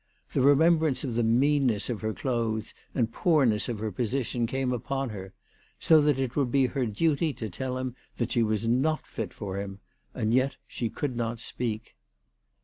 The remem brance of the meanness of her clothes and poorness of her position came upon her, so that it would be her duty to tell him that she was not fit for him ; and yet she could not speak.